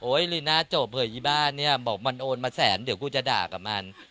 ลีน่าจบเผยที่บ้านเนี่ยบอกมันโอนมาแสนเดี๋ยวกูจะด่ากับมัน